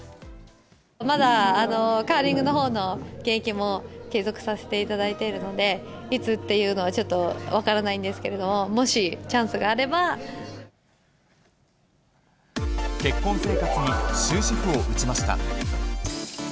まだカーリングのほうの現役も継続させていただいているので、いつっていうのはちょっと分からないんですけれども、もしチャン結婚生活に終止符を打ちました。